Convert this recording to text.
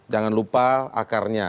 jangan lupa akarnya